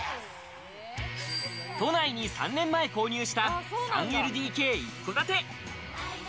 都内に３年前購入した３ＬＤＫ一戸建て。